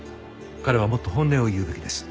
彼はもっと本音を言うべきです。